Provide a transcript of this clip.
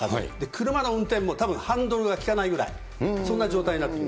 車の運転もたぶんハンドルが利かないぐらい、そんな状態です。